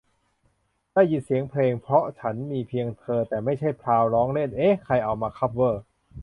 ได้ยินเสียงเพลง 'เพราะฉันมีเพียงเธอ' แต่ไม่ใช่ 'พราว' ร้องเล่น เอ๊ะ ใครเอามาคัฟเวอร์ ?